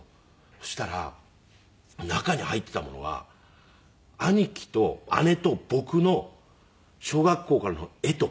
そしたら中に入っていたものが兄貴と姉と僕の小学校からの絵とか通知簿とか。